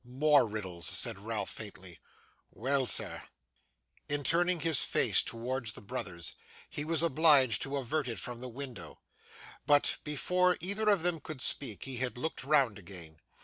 'More riddles!' said Ralph, faintly. 'Well, sir?' In turning his face towards the brothers he was obliged to avert it from the window; but, before either of them could speak, he had looked round again.